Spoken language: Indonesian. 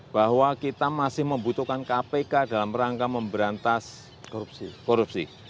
bahwa kita masih membutuhkan kpk dalam rangka memberantas korupsi